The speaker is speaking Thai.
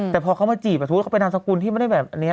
แต่พอเขามาจีบก็จะเป็นตำรศกุลไม่ได้แบบเนี่ย